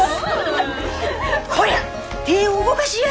こりゃあ手を動かしや！